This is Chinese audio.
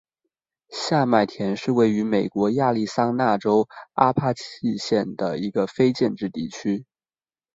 下麦田是位于美国亚利桑那州阿帕契县的一个非建制地区。